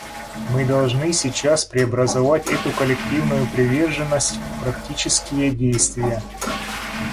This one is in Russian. Мы должны сейчас преобразовать эту коллективную приверженность в практические действия.